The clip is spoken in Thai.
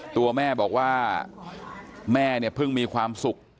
ตัวแม่บอกว่าแม่เนี่ยเพิ่งมีความสุข